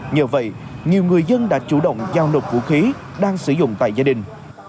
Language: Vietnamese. nhờ vậy nhiều người dân đã chủ động giao nộp vũ khí đang sử dụng tại gia đình